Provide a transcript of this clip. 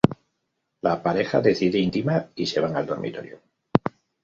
La pareja decide intimar y se van al dormitorio.